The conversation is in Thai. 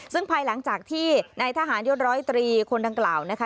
ซึ่งภายหลังจากที่ในทหารยศ๑๐๓คนดังกล่าวนะคะ